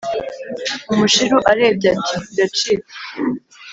umushiru arebye ati : biracitse